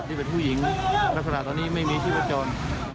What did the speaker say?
ผู้ที่เป็นผู้หญิงวันนี้มีชื่อกันจนไม่มีชื่อประจน